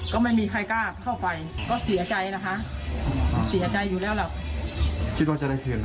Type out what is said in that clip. ก็ไม่มีใครกล้าเข้าไปก็เสียใจนะคะเสียใจอยู่แล้วล่ะคิดว่าจะได้คืนนะ